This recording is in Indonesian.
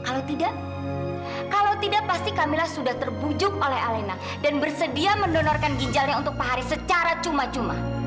kalau tidak kalau tidak pasti camillah sudah terbujuk oleh elena dan bersedia mendonorkan ginjalnya untuk pahari secara cuma cuma